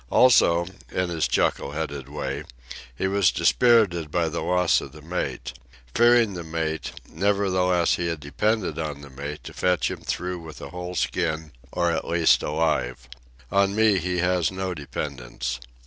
Also, in his chuckle headed way, he was dispirited by the loss of the mate. Fearing the mate, nevertheless he had depended on the mate to fetch him through with a whole skin, or at least alive. On me he has no dependence.